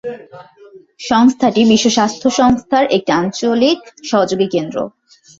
সংস্থাটি বিশ্ব স্বাস্থ্য সংস্থার একটি আঞ্চলিক সহযোগী কেন্দ্র।